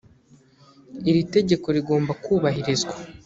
iritegeko rigomba kubahirizwa.